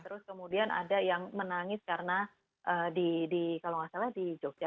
terus kemudian ada yang menangis karena kalau nggak salah di jogja